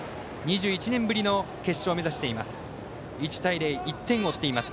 ２１年ぶりの決勝を目指しています。